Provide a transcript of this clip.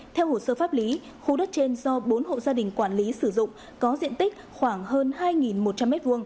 theo hồ sơ pháp lý khu đất trên do bốn hộ gia đình quản lý sử dụng có diện tích khoảng hơn hai một trăm linh m hai